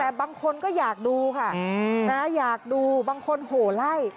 แต่บางคนก็อยากดูค่ะอยากดูบางคนโหไล่